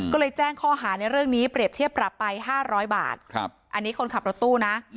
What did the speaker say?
ก็เลยแจ้งข้อหาในเรื่องนี้เปรียบเทียบปรับไป๕๐๐บาทอันนี้คนขับรถตู้นะ